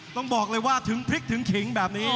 ต้องบอกเลยว่าถึงพริกถึงขิงแบบนี้